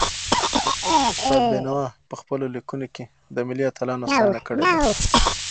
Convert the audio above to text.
استاد بينوا په پخپلو ليکنو کي د ملي اتلانو ستاینه کړې ده.